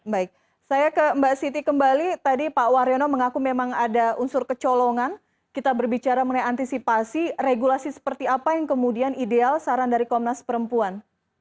baik saya ke mbak siti kembali tadi pak waryono mengaku memang ada unsur kecolongan kita berbicara mengenai antisipasi regulasi seperti apa yang kemudian ideal saran dari komnas perempuan